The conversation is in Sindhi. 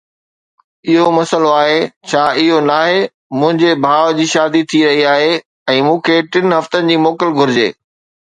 اهو مسئلو آهي، ڇا اهو ناهي؟ منهنجي ڀاء جي شادي ٿي رهي آهي ۽ مون کي ٽن هفتن جي موڪل گهرجي.